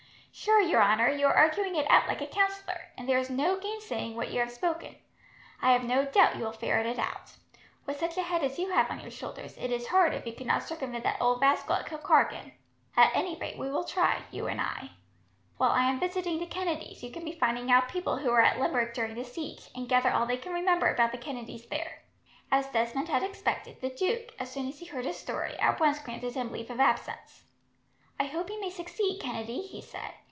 "Sure, your honour, you are arguing it out like a counsellor, and there is no gainsaying what you have spoken. I have no doubt you will ferret it out. With such a head as you have on your shoulders, it is hard if you cannot circumvent that ould rascal at Kilkargan." "At any rate we will try, you and I. While I am visiting the Kennedys, you can be finding out people who were at Limerick during the siege, and gather all they can remember about the Kennedys there." As Desmond had expected, the duke, as soon as he heard his story, at once granted him leave of absence. "I hope you may succeed, Kennedy," he said.